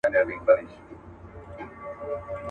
بوډا وویل پیسو ته نه ژړېږم.